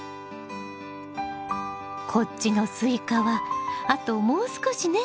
こっちのスイカはあともう少しね。